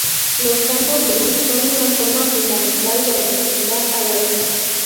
Los campos de luz son una forma fundamental de representar a la luz.